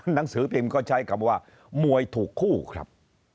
หนังสือพิมพ์ก็ใช้คำว่ามวยถูกคู่ครับ